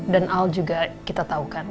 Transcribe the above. dan al juga kita tau kan